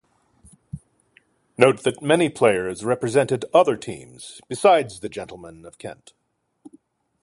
Note that many players represented other teams besides the Gentlemen of Kent.